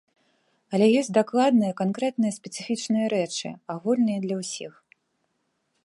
Але ёсць дакладныя, канкрэтныя, спецыфічныя рэчы, агульныя для ўсіх.